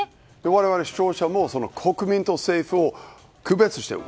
我々、視聴者も国民と政府を区別している。